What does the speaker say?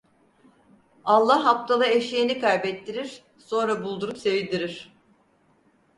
Allah aptala eşeğini kaybettirir, sonra buldurup sevindirir.